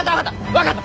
分かった！